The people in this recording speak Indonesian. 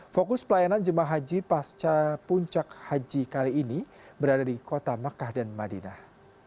fokus pelayanan jemaah haji pasca puncak haji kali ini berada di kota mekah dan madinah